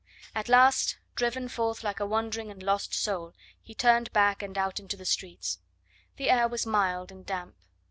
At last, driven forth like a wandering and lost soul, he turned back and out into the streets. The air was mild and damp.